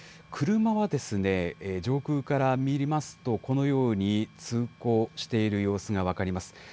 車は上空から見ますと、このように、通行している様子が分かります。